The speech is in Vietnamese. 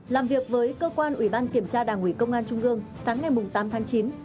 làm việc với cơ quan ủy ban kiểm tra đảng ủy công an trung ương sáng ngày tám tháng chín